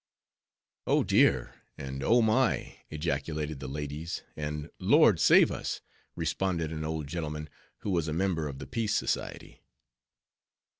"Oh, dear!"—and "Oh my!"—ejaculated the ladies, and— "Lord, save us," responded an old gentleman, who was a member of the Peace Society.